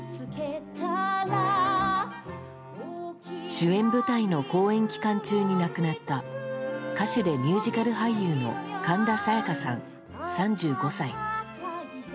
主演舞台の公演期間中に亡くなった歌手でミュージカル俳優の神田沙也加さん、３５歳。